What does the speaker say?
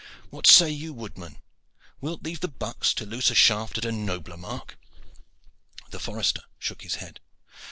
What say you, woodman: wilt leave the bucks to loose a shaft at a nobler mark?" The forester shook his head.